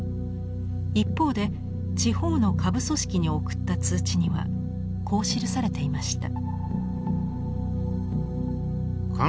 一方で地方の下部組織に送った通知にはこう記されていました。